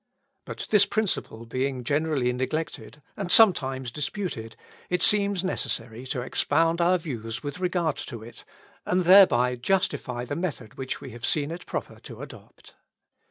But this principle being generally neglected, and sometimes disputed, it seems necessary to expound our views with regard to it, and thereby justify the method which we have seen it proper to adopt.